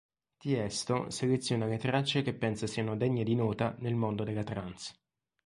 Tiësto seleziona le tracce che pensa siano degne di nota nel mondo della trance.